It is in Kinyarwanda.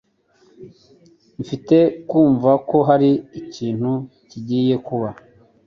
Mfite kumva ko hari ikintu kigiye kuba.